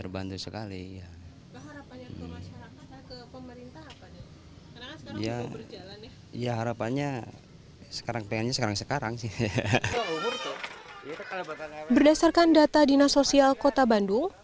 berdasarkan data dinasosial kota bandung